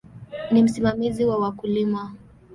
Ni msimamizi wa wakulima.